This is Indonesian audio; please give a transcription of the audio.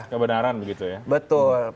kebenaran begitu ya